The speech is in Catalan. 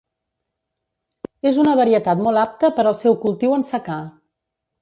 És una varietat molt apta per al seu cultiu en secà.